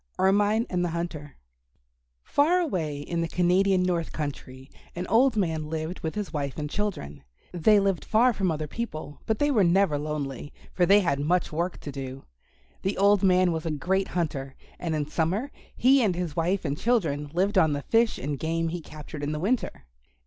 ERMINE AND THE HUNTER Far away in the Canadian North Country an old man lived with his wife and children. They lived far from other people, but they were never lonely, for they had much work to do. The old man was a great hunter, and in summer he and his wife and children lived on the fish and game he captured in the winter.